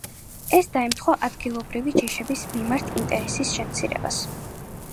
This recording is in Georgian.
ეს დაემთხვა ადგილობრივი ჯიშების მიმართ ინტერესის შემცირებას.